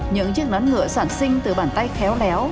những chiếc nón ngựa sản sinh từ bàn tay khéo léo